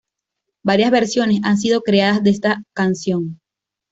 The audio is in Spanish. Varias versiones han sido creadas de esta canción.